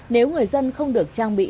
nếu người dân không được trang bị